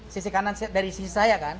sisi kanan dari sisi saya kan